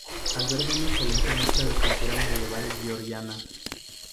Alberga una excelente muestra de pintura medieval georgiana.